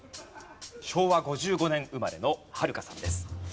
昭和５５年生まれのはるかさんです。